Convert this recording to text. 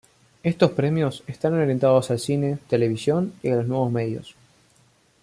Estos premios, están orientados al cine, televisión, y a los nuevos medios.